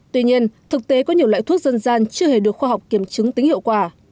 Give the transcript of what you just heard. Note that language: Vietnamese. tuy nhiên thực tế có nhiều loại thuốc dân gian chưa hề được khoa học kiểm chứng tính hiệu quả